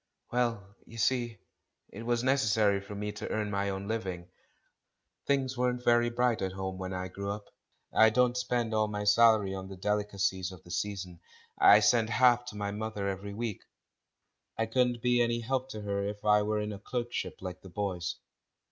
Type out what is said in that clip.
"Well, you see, it was necessary for me to earn my own living; things weren't very bright at home when I grew up. I don't spend all my salary on the delicacies of the season — I send half to my mother every week. I couldn't be any help to her if I were in a clerkship like the boys.